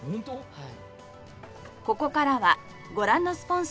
はい。